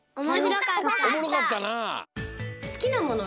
おもろかったなあ。